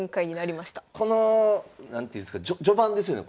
この何ていうんですか序盤ですよね？